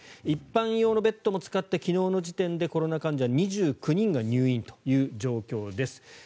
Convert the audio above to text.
一般用のベッドも使って昨日の時点でコロナ患者２９人が入院という状況です。